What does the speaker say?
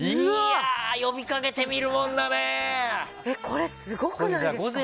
これすごくないですか？